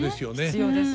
必要です。